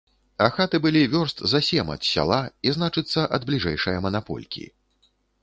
А хаты былі вёрст за сем ад сяла і, значыцца, ад бліжэйшае манаполькі.